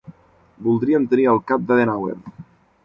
Voldríem tenir el cap d'Adenauer.